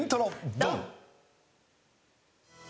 ドン！